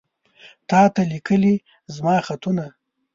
تاته ليکلي زما خطونه